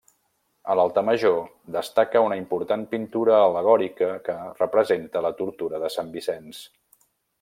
A l'altar major destaca una important pintura al·legòrica que representa la tortura de Sant Vicenç.